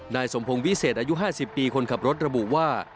นายสมพงศ์วิเศษอายุ๕๐ปีคนขับรถระบุว่า